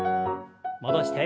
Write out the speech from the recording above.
戻して。